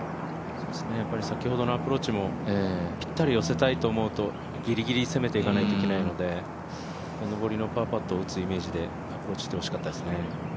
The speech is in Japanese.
先ほどのアプローチもぴったり寄せたいと思うとぎりぎり攻めていかないといけないので上りのパーパットを打つイメージでアプローチしてほしかったですね。